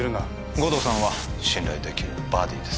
護道さんは信頼できるバディです